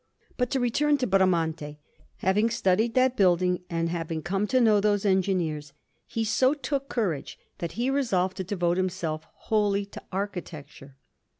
Satiro_) Brogi] But to return to Bramante; having studied that building, and having come to know those engineers, he so took courage, that he resolved to devote himself wholly to architecture.